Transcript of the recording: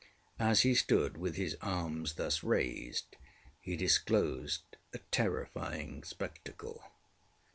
As he stood with his arms thus raised, he disclosed a terrifying spectacle.